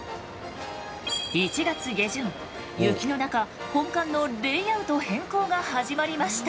雪の中本館のレイアウト変更が始まりました。